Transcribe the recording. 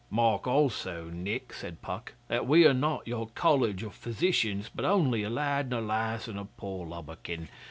'Mark also, Nick,' said Puck, that we are not your College of Physicians, but only a lad and a lass and a poor lubberkin.